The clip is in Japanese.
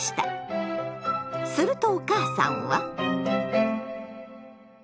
するとお母さんは。